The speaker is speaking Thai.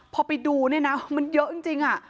พอไปดูเนี่ยนะมันเยอะจริง